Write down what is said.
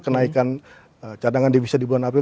kenaikan cadangan devisa di bulan april